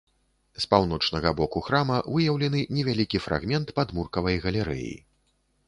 З паўночнага боку храма выяўлены невялікі фрагмент падмуркавай галерэі.